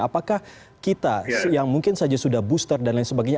apakah kita yang mungkin saja sudah booster dan lain sebagainya